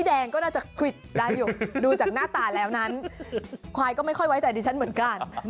เพราะฉะนั้นควายก็ไม่ค่อยไว้ใจดิฉันเหมือนกัน